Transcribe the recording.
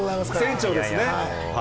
船長ですね。